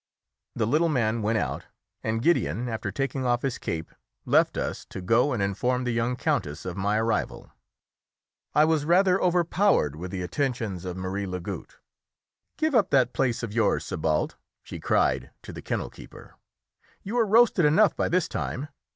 The little man went out, and Gideon, after taking off his cape, left us to go and inform the young countess of my arrival. I was rather overpowered with the attentions of Marie Lagoutte. "Give up that place of yours, Sébalt," she cried to the kennel keeper. "You are roasted enough by this time.